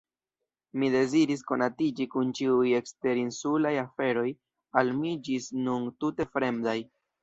Mi deziris konatiĝi kun ĉiuj eksterinsulaj aferoj, al mi ĝis nun tute fremdaj.